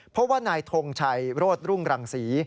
เพราะว่านายทงชัยโรธรุ่งรังศรี